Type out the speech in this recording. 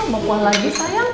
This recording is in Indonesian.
mau kuah lagi sayang